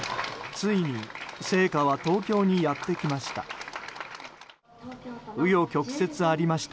ついに聖火は東京にやってきました。